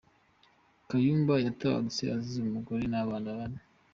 Kayumba yatabarutse asize umugore n’abana bane.